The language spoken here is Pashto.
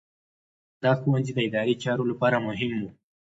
دا ښوونځي د اداري چارو لپاره مهم وو.